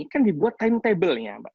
kan dibuat timetable nya